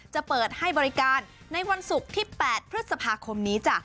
จะเปิดให้บริการในวันศุกร์ที่๘พฤษภาคมนี้จ้ะ